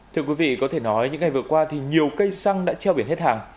thưa quý vị có thể nói những ngày vừa qua thì nhiều cây xăng đã treo biển hết hàng